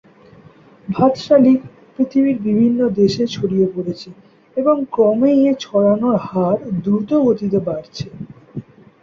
ভাত শালিক পৃথিবীর বিভিন্ন দেশে ছড়িয়ে পড়েছে এবং ক্রমেই এ ছড়ানোর হার দ্রুতগতিতে বাড়ছে।